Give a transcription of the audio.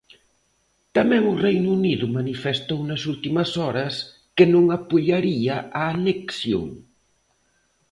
Tamén o Reino Unido manifestou nas últimas horas que non apoiaría a anexión.